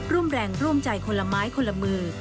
ร่วมแรงร่วมใจคนละไม้คนละมือ